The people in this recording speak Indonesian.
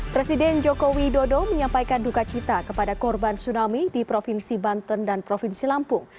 presiden jokowi dodo menyampaikan dukacita kepada korban tsunami di provinsi banten dan provinsi lampung